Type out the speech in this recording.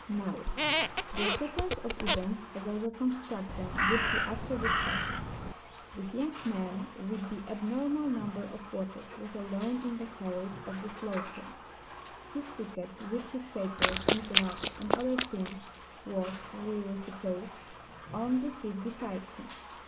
"Now, the sequence of events as I reconstruct them would be after this fashion. This young man with the abnormal number of watches was alone in the carriage of the slow train. His ticket, with his papers and gloves and other things, was, we will suppose, on the seat beside him.